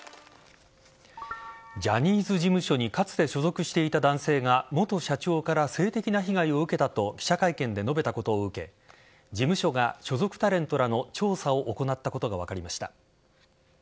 ジャニーズ事務所にかつて所属していた男性が元社長から性的な被害を受けたと記者会見で述べたことを受け事務所が所属タレントらの調査を行ったことが分かりました。